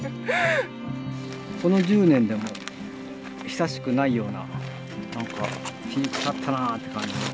この１０年でも久しくないような「ピーク立ったな」って感じ。